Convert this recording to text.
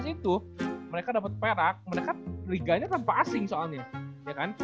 dua ribu lima belas itu mereka dapat perak mereka kan liganya tanpa asing soalnya